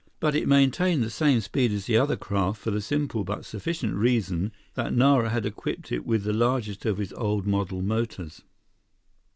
But it maintained the same speed as the other craft for the simple but sufficient reason that Nara had equipped it with the largest of his old model motors.